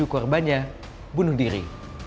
untuk korbannya bunuh diri